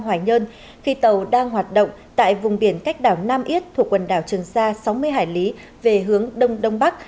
hoài nhơn khi tàu đang hoạt động tại vùng biển cách đảo nam yết thuộc quần đảo trường sa sáu mươi hải lý về hướng đông đông bắc